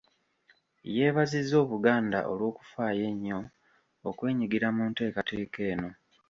Yeebazizza Obuganda olw’okufaayo ennyo okwenyigira mu nteekateeka eno.